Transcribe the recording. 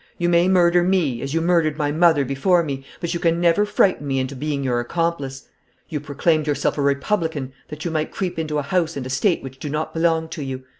You may murder me, as you murdered my mother before me, but you can never frighten me into being your accomplice. You proclaimed yourself a Republican that you might creep into a house and estate which do not belong to you.